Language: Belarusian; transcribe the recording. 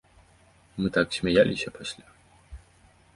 Мы так смяяліся пасля!